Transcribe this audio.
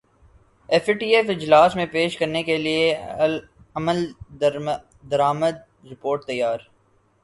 F A T F اجلاس میں پیش کرنے کیلئے عملدرامد رپورٹ تیار